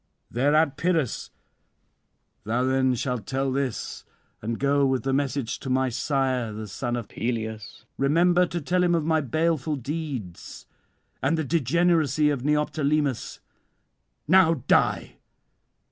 Thereat Pyrrhus: "Thou then shalt tell this, and go with the message to my sire the son of Peleus: remember to tell him of my baleful deeds, and the degeneracy of Neoptolemus. Now die."